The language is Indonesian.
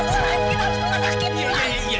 kamu tunangan riza